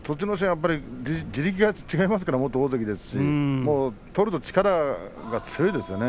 やっぱり地力が違いますから、元大関ですし取ると力が強いですね。